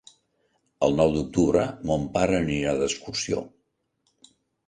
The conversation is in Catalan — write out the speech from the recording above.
El nou d'octubre mon pare anirà d'excursió.